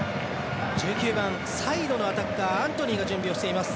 １９番、サイドのアタッカーアントニーが準備をしています。